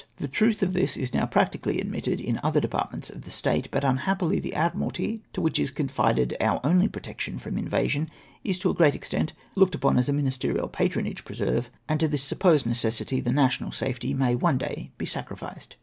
The truth of this is now practically admitted in other departments of the State, but unliappily the Admiralty, to which is confided our only protection from invasion, is, to a great extent, looked upon as a ministerial patronage presei've, nnd to lliis sujiposed INSTEAD OF POLITICAL INFLUENCE 261 necessity the national safety may one day be sacrificed.